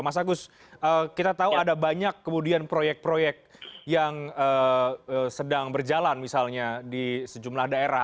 mas agus kita tahu ada banyak kemudian proyek proyek yang sedang berjalan misalnya di sejumlah daerah